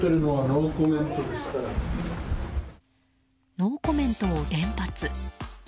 ノーコメントを連発。